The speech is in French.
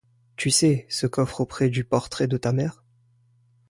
Tu sais, ce coffre auprès du portrait de ta mère?